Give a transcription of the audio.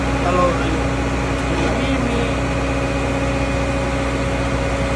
Reviews for the film were mostly negative.